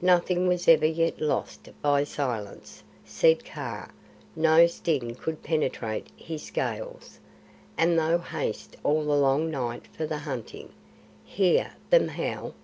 "Nothing was ever yet lost by silence," said Kaa no sting could penetrate his scales "and thou hast all the long night for the hunting. Hear them howl!"